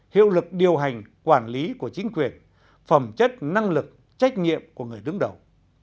hiệu lực điều hành quản lý của chính quyền phẩm chất năng lực trách nhiệm của người đứng đầu